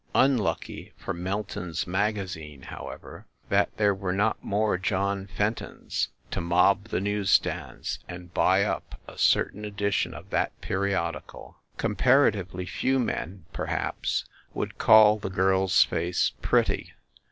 Unlucky for "Melton s Magazine," however, that there were not more John Fentons to mob the news stands and buy up a certain edition of that periodical. Comparatively few men, perhaps, would call the girl s face pretty.